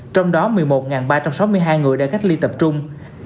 trong đó một mươi một ba trăm sáu mươi hai người đang cách ly tập trung